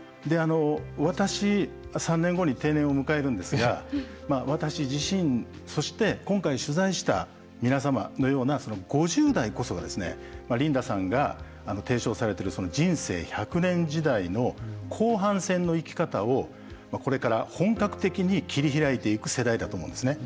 私、３年後に定年を迎えるんですが私自身、そして今回取材した皆さまのような５０代こそがリンダさんが提唱されている人生１００年時代の後半戦の生き方を、これから本格的に切り開いていく世代だと思うんですね。